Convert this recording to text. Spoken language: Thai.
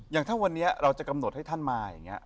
อย่างถ้าวันนี้เราจะกำหนดให้ท่านมาอย่างนี้